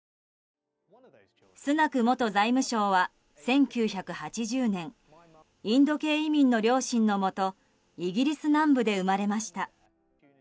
スナク元財務相は１９８０年インド系移民の両親のもとイギリス南部で生まれました。